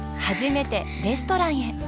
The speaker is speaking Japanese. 初めてレストランへ。